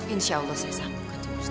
insya allah saya sanggup kan jeng gusti